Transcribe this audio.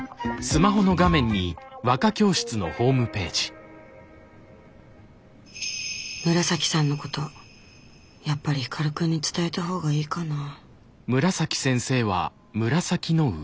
心の声紫さんのことやっぱり光くんに伝えた方がいいかなぁ。